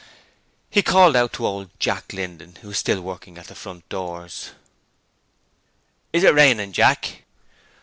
He called out to old Jack Linden, who was still working at the front doors: 'Is it raining, Jack?'